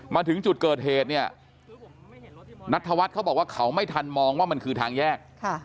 มาถึงจุดเกิดเหตุเนี่ยนัทธวัฒน์เขาบอกว่าเขาไม่ทันมองว่ามันคือทางแยก